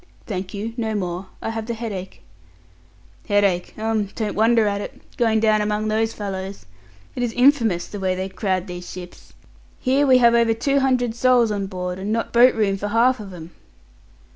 "Thank you, no more. I have the headache." "Headache um don't wonder at it, going down among those fellows. It is infamous the way they crowd these ships. Here we have over two hundred souls on board, and not boat room for half of 'em."